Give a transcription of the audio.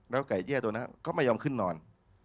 แล้วไก่แจ้ตัวนั้นเขาไม่ยอมขึ้นนอน